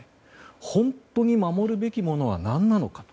本当に守るべきものは何なのか。